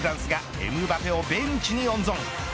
エムバペをベンチに温存。